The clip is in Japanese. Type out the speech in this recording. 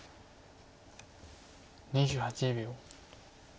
２８秒。